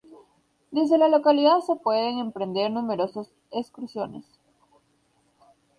Desde la localidad se pueden emprender numerosos excursiones.